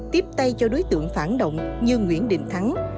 tiếp tay cho đối tượng phản động như nguyễn đình thắng